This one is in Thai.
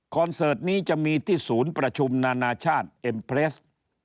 เสิร์ตนี้จะมีที่ศูนย์ประชุมนานาชาติเอ็มเพลส